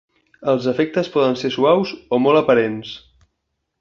Els efectes poden ser suaus o molt aparents.